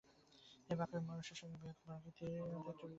এই বাক্যহীন মনুষ্যের মধ্যে বৃহৎ প্রকৃতির মতো একটা বিজন মহত্ত্ব আছে।